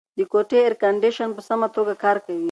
د کوټې اېرکنډیشن په سمه توګه کار کوي.